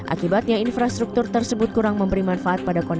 akibatnya infrastruktur tersebut tidak bergantung dengan keuntungan daerah